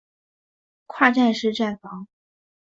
跨站式站房。